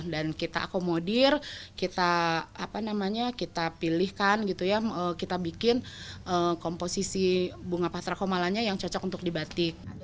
dan kita akomodir kita pilihkan kita bikin komposisi bunga patra komalanya yang cocok untuk dibatik